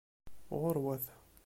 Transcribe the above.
Ɣuṛwat!